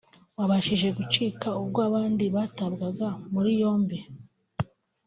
wabashije gucika ubwo abandi batabwaga muri yombi